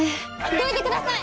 どいてください！